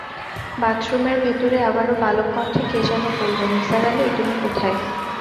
বাথরুমের ভেতরে আবারো বালক-কণ্ঠে কে যেন বলল, নিসার আলি, তুমি কোথায়?